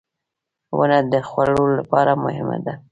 • ونه د خوړو لپاره مهمه ده.